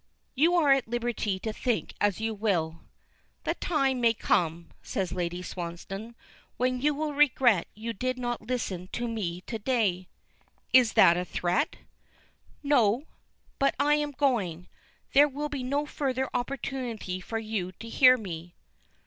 "You are at liberty to think as you will." "The time may come," says Lady Swansdown, "when you will regret you did not listen to me to day." "Is that a threat?" "No; but I am going. There will be no further opportunity for you to hear me."